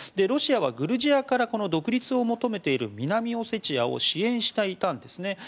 ロシアはグルジアからこの独立を求めている南オセチアを支援していたんですね。